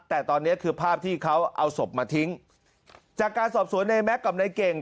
แต่ตอนนี้คือภาพที่เขาเอาศพมาทิ้งจากการสอบสวนในแม็กซ์กับนายเก่ง